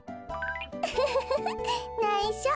ウフフフフないしょ。